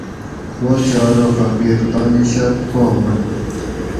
باچہ ارو فقیر تانی شرط پا من